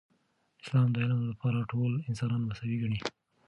اسلام د علم لپاره ټول انسانان مساوي ګڼي.